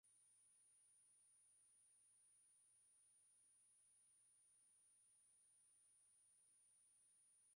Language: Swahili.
makongamano kwa mfano kwa waalimu au wajuzi